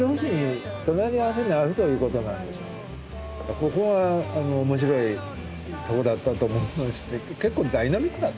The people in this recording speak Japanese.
ここは面白いとこだったと思うし結構ダイナミックだった。